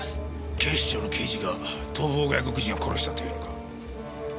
警視庁の刑事が逃亡外国人を殺したと言うのか？